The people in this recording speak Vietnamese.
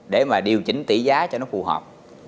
để mà điều chỉnh tỷ giá cho nó phù hợp